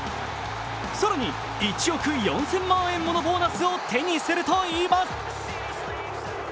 更に１億４０００万円ものボーナスを手にするといいます。